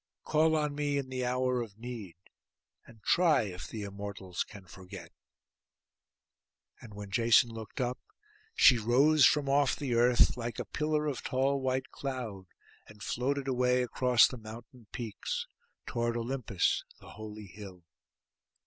Call on me in the hour of need, and try if the Immortals can forget.' [Picture: Jason and Hera] And when Jason looked up, she rose from off the earth, like a pillar of tall white cloud, and floated away across the mountain peaks, toward Olympus the holy hill.